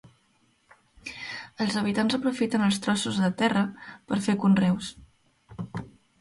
Els habitants aprofiten els trossos de terra per fer conreus.